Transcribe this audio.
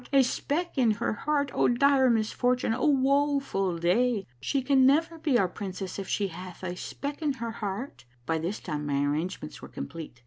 A speck in her heart ! O dire mis fortune ! O woful day ! She never can he our princess if she hath a speck in her heart I " By this time my arrangements were complete.